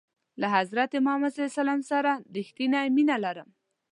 زه له حضرت محمد ص سره رښتنی مینه لرم.